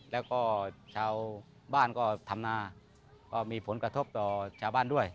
แล้วก็ชาวบ้านก็ทำนาก็มีผลกระทบต่อชาวบ้านด้วย